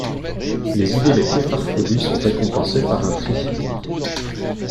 Les idées les plus farfelues sont récompensées par un prix.